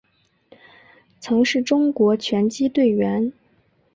曾是中国拳击队员。